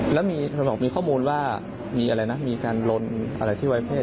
แล้วมีบอกมีข้อมูลว่ามีอะไรนะมีการลนอะไรที่ไว้เพศ